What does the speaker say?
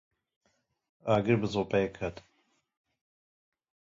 Agir bi sobeyê ket.